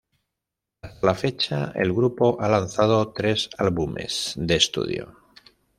Hasta la fecha, el grupo ha lanzado tres álbumes de estudio.